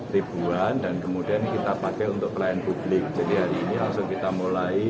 ribuan dan kemudian kita pakai untuk pelayanan publik jadi hari ini langsung kita mulai